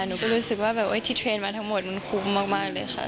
หนูก็รู้สึกว่าแบบที่เทรนด์มาทั้งหมดมันคุ้มมากเลยค่ะ